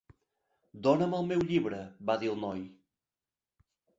"Dóna'm el meu llibre", va dir el noi.